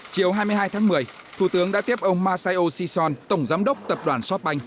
chiều hai mươi hai tháng một mươi thủ tướng đã tiếp ông masaio shison tổng giám đốc tập đoàn shopbank